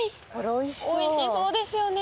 美味しそうですよね。